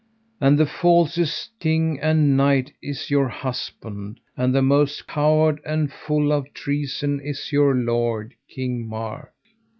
And the falsest king and knight is your husband, and the most coward and full of treason, is your lord, King Mark.